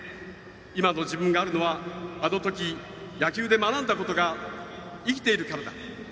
今の自分があるのはあの時、野球で学んだことが生きているからだ。